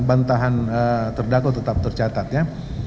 bantahan terdakwa tetap tercatat ya